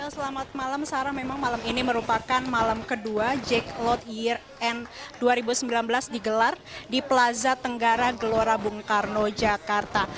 selamat malam sarah memang malam ini merupakan malam kedua jack load year end dua ribu sembilan belas digelar di plaza tenggara gelora bung karno jakarta